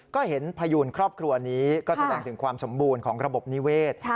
ก็เห็นพยูนครอบครัวนี้ก็แสดงถึงความสมบูรณ์ของระบบนิเวศ